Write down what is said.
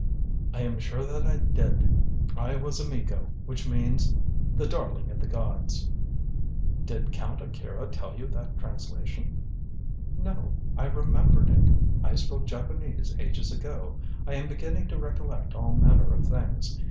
"I am sure that I did. I was a Miko, which means The Darling of the Gods." "Did Count Akira tell you that translation?" "No; I remembered it. I spoke Japanese ages ago. I am beginning to recollect all manner of things.